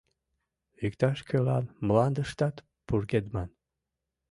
— Иктаж-кӧлан мландыштат пургедман...